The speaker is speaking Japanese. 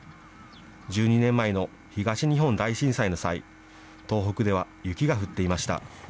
１２年前の東日本大震災の際、東北では雪が降っていました。